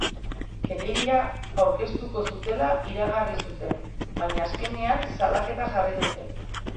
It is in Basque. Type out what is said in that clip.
Kereila aurkeztuko zutela iragarri zuten, baina azkenean salaketa jarri dute.